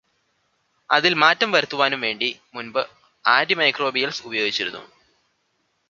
അതിൽ മാറ്റം വരുത്തുവാനും വേണ്ടി മുൻപ് ആന്റിമൈക്രോബിയൽസ് ഉപയോഗിച്ചിരുന്നു.